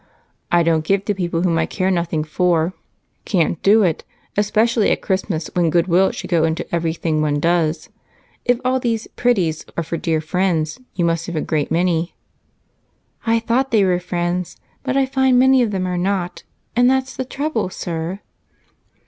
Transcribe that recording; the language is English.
"I don't give to people whom I care nothing for. Can't do it, especially at Christmas, when goodwill should go into everything one does. If all these 'pretties' are for dear friends, you must have a great many." "I thought they were friends, but I find many of them are not, and that's the trouble, sir."